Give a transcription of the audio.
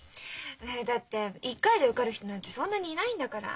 だって１回で受かる人なんてそんなにいないんだから。